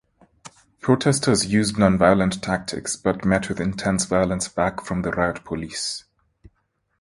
Protesters used nonviolent tactics but met with intense violence back from the riot police.